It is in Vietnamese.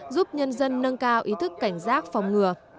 giúp nhân dân nâng cao ý thức cảnh giác phòng ngừa